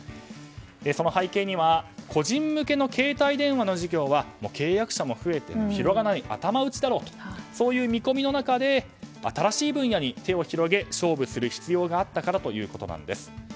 その背景には個人向けの携帯電話の事業は契約者も増えて広がらない頭打ちだろうとそういう見込みの中で新しい分野に手を広げて勝負する必要があったからということなんです。